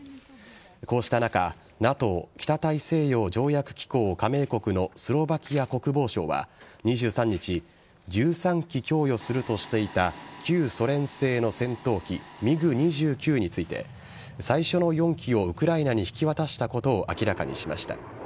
こうした中ＮＡＴＯ＝北大西洋条約機構加盟国のスロバキア国防省は２３日１３機供与するとしていた旧ソ連製の戦闘機ミグ２９について最初の４機をウクライナに引き渡したことを明らかにしました。